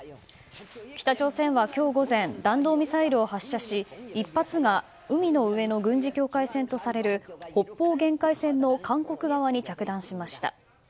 北朝鮮は今日午前弾道ミサイルを発射し１発が海の上の軍事境界線とされる北方限界線の韓国側に着弾しました。